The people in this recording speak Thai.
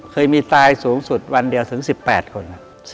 เคยมีตายสูงสุดวันเดียวถึง๑๘คน